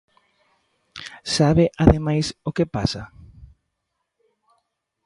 ¿Sabe, ademais, o que pasa?